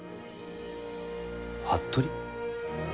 服部？